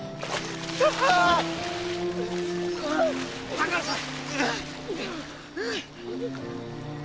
高原さん！